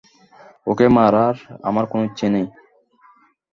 ওকে মারার আমার কোন ইচ্ছা নেই।